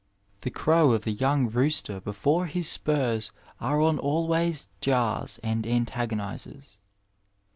The crow of the young rooster before his spurs are on always jars and antagonizes.